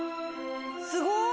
すごい！